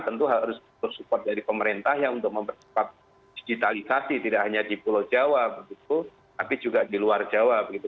tentu harus support dari pemerintah ya untuk mempercepat digitalisasi tidak hanya di pulau jawa begitu tapi juga di luar jawa begitu